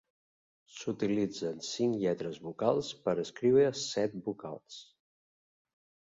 S'utilitzen cinc lletres vocals per escriure set vocals.